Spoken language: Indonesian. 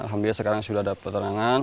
alhamdulillah sudah ada penerangan